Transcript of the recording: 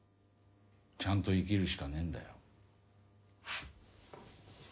ちゃんと生きるしかねえんだよ。